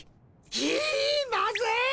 ひっまずい！